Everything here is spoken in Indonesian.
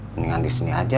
mendingan disini aja